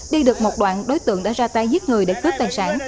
đi được một đoạn đối tượng đã ra tay giết người để cướp tài sản